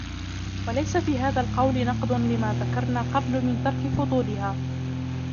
وَلَيْسَ فِي هَذَا الْقَوْلِ نَقْضٌ لِمَا ذَكَرْنَا قَبْلُ مِنْ تَرْكِ فُضُولِهَا